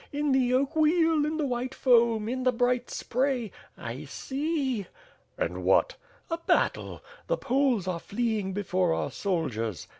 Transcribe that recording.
In the oak wheel, in the white foam, in the bright spray! I see. ..." "And what?" "A battle. The Poles are fleeing before our soldiers."